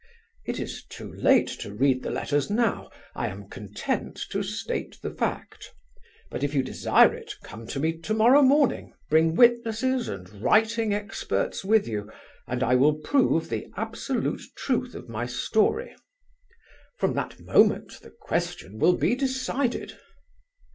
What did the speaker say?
It is too late to read the letters now; I am content to state the fact. But if you desire it, come to me tomorrow morning, bring witnesses and writing experts with you, and I will prove the absolute truth of my story. From that moment the question will be decided."